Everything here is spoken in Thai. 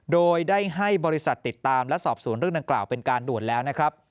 โดยได้ให้บริษัทติดตามและสอบสวนเรื่องดังกล่าวเป็นการด่วนแล้วนะครับ